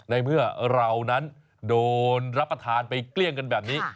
ในเมื่อเรานั้นโดนรับประทานไปเกลี้ยงกันแบบนี้